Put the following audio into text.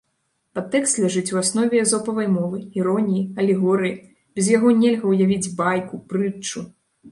Падтэкст ляжыць у аснове эзопавай мовы, іроніі, алегорыі, без яго нельга ўявіць байку, прытчу.